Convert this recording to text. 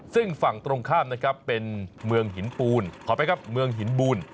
ซึ่งฝั่งตรงข้ามนะครับเป็นเมืองหินบูล